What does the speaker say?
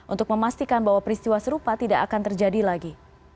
untuk memastikan bahwa peristiwa serupa tidak akan terjadi lagi